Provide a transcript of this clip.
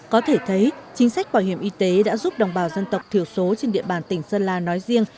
có thể thấy chính sách bảo hiểm y tế đã giúp đồng bào dân tộc thiểu số trên địa bàn tỉnh sơn la nói riêng